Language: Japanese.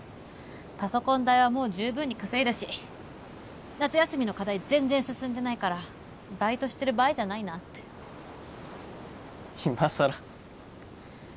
パソコン代はもう十分に稼いだし夏休みの課題全然進んでないからバイトしてる場合じゃないなって今さら